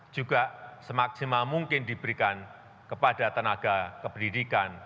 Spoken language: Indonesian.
juga semaksimal mungkin diberikan kepada tenaga kependidikan